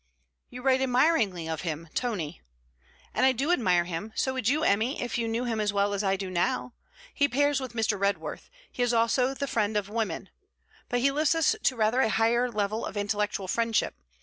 'You write admiringly of him, Tony.' 'And I do admire him. So would you, Emmy, if you knew him as well as I do now. He pairs with Mr. Redworth; he also is the friend of women. But he lifts us to rather a higher level of intellectual friendship.